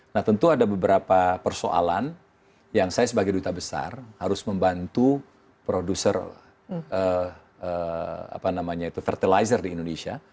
nah tentu ada beberapa persoalan yang saya sebagai duta besar harus membantu produser fertilizer di indonesia